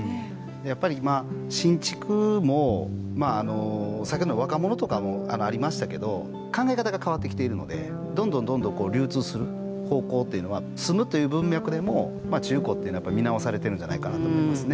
やっぱり今新築もさっきの若者とかもありましたけど考え方が変わってきているのでどんどんどんどん流通する方向っていうのは住むという文脈でも中古って見直されているんじゃないかなと思いますね。